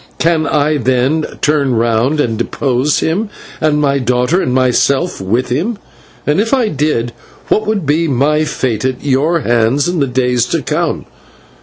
Can I, then, turn round and depose him, and my daughter and myself with him? And if I did, what would be my fate at your hands in the days to come?